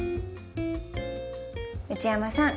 内山さん